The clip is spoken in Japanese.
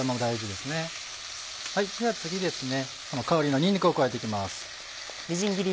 では次香りのにんにくを加えて行きます。